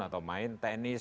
atau main tenis